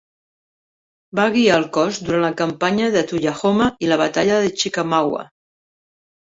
Va guiar el cos durant la Campanya de Tullahoma i a la Batalla de Chickamauga.